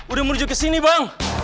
udah merujuk ke sini bang